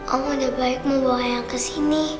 om udah baik mau bawa ayah kesini